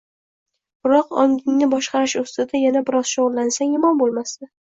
— biroq ongingni boshqarish ustida yana biroz shug‘ullansang yomon bo‘lmasdi…